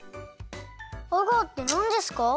アガーってなんですか？